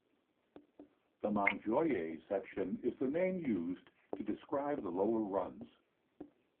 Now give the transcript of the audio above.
The Montjoie section is the name used to describe the lower runs.